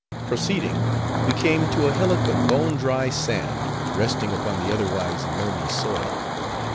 Proceeding, we came to a hillock of bone dry sand, resting upon the otherwise loamy soil.